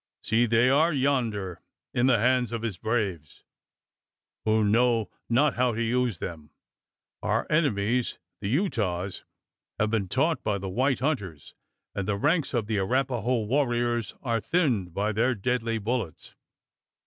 See! they are yonder in the hands of his braves, who know not how to use them. Our enemies the Utahs have been taught by the white hunters; and the ranks of the Arapaho warriors are thinned by their deadly bullets.